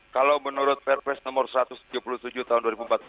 kalau menurut perpres nomor satu ratus tujuh puluh tujuh tahun dua ribu empat belas